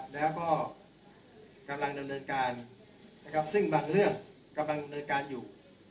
แล้วก็กำลังดำเนินการนะครับซึ่งบางเรื่องกำลังดำเนินการอยู่